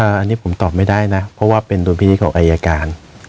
อันนี้ผมตอบไม่ได้นะเพราะว่าเป็นดุลพินิษฐ์ของอายการ